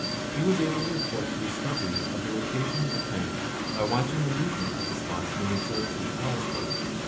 He was able to report the discovery of the rotation of the planet by watching the movement of the spots when observed through the tele scope.